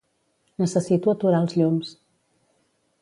Necessito aturar els llums.